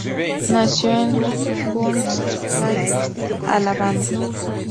Nació en Huntsville, Alabama.